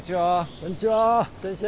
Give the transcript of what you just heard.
こんにちは先生。